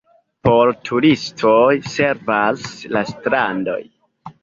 Por turistoj servas la strandoj.